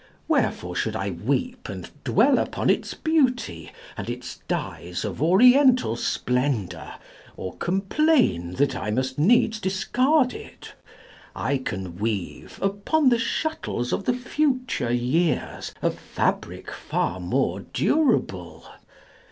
Wherefore should I weep And dwell upon its beauty, and its dyes Of oriental splendor, or complain That I must needs discard it? I can weave Upon the shuttles of the future years A fabric far more durable.